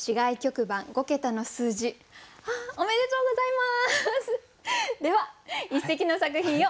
ありがとうございます！